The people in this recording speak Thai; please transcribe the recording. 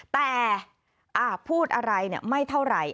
แต่พูดอะไรไม่เท่าไหร่